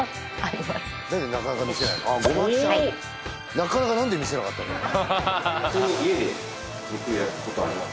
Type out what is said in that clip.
なかなか何で見せなかったんだろう